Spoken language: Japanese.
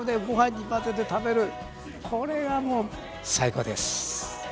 ご飯に混ぜて食べるこれがもう最高です！